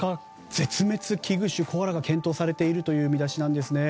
絶滅危惧種、コアラが検討されているという見出しなんですね。